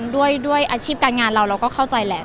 ด้วยอาชีพการงานเราเราก็เข้าใจแหละ